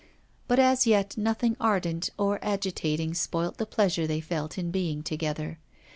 But as yet nothing ardent or agitating spoilt the pleasure they felt in being together.